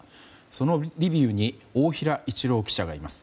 そのリビウに大平一郎記者がいます。